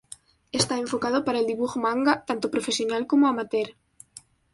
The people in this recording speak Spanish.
Está enfocado para el dibujo manga, tanto profesional como amateur.